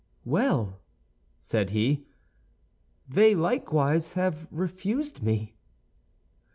"Well," said he, "they likewise have refused me."